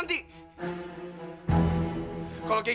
nggak dok dok